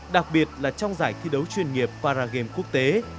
đặc biệt là trong giải thi đấu chuyên nghiệp paragame quốc tế